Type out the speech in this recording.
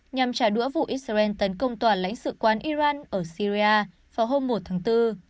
nhằm trả đũa vụ israel tấn công toàn lãnh sự quán iran ở syria vào hôm một tháng bốn